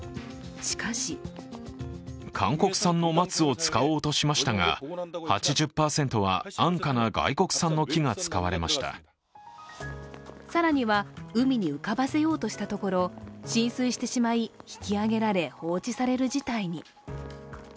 しかし更には海に浮かばせようとしたところ浸水してしまい引き揚げられ、放置される事態に。